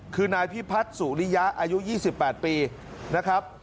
คือนายพิพัฒน์สุริยะอายุ๒๘ปีนะครับ